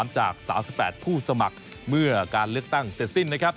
จาก๓๘ผู้สมัครเมื่อการเลือกตั้งเสร็จสิ้นนะครับ